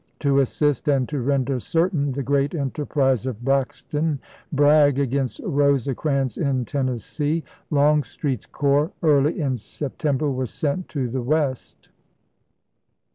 To assist and to render certain the gi'eat enterprise of Braxton Bragg against Rosecrans in Tennessee, Longstreet's corps, early in September, was sent to the West.